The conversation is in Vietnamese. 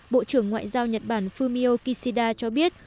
bộ trưởng ngoại giao nhật bản fumio kishida cho biết